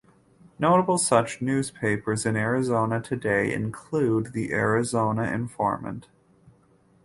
Notable such newspapers in Arizona today include the "Arizona Informant".